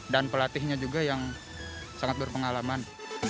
dan pelatihnya juga yang sangat berpengalaman